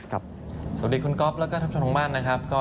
สวัสดีคุณก๊อบและท่านผู้ชมทางบ้าน